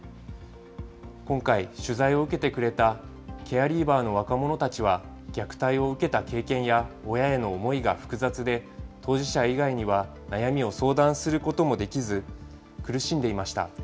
今回、取材を受けてくれたケアリーバーの若者たちは、虐待を受けた経験や、親への思いが複雑で、当事者以外には悩みを相談することもできず、苦しんでいました。